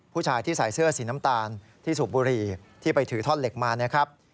ผู้ชายที่ใส่เสื้อสีน้ำตาลที่สูบบุหรี่ที่ไปถือท่อนเหล็กมานะครับ